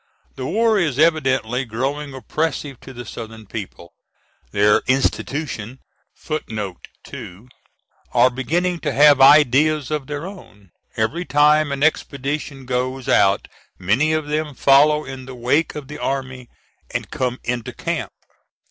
The war is evidently growing oppressive to the Southern people. Their institution are beginning to have ideas of their own; every time an expedition goes out many of them follow in the wake of the army and come into camp.